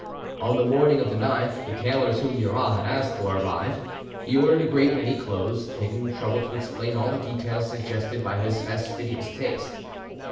On the morning of the 9th the tailors whom Murat had asked for arrived. He ordered a great many clothes, taking the trouble to explain all the details suggested by his fastidious taste.